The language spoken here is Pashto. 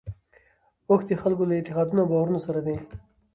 اوښ د خلکو له اعتقاداتو او باورونو سره دی.